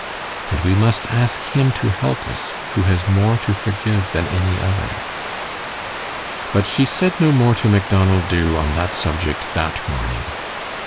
And we must ask Him to help us, who has more to forgive than any other." But she said no more to Macdonald Dubh on that subject that morning.